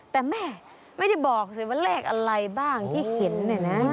แต่แม่ไม่ได้บอกสิว่าเลขอะไรบ้างที่เห็นเนี่ยนะ